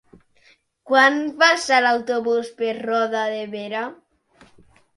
Quan passa l'autobús per Roda de Berà?